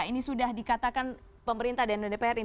ini sudah dikatakan pemerintah dan dpr ini